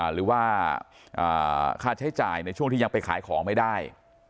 หรือว่าค่าใช้จ่ายในช่วงที่ยังไปขายของไม่ได้